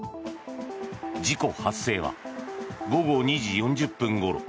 事故発生は午後２時４０分ごろ。